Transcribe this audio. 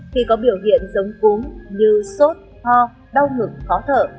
khi có biểu hiện giống cúm như sốt ho đau ngực khó thở